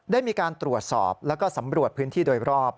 ได้มีการตรวจสอบแล้วก็สำรวจพื้นที่โดยรอบ